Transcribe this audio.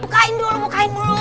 bukain dulu bukain dulu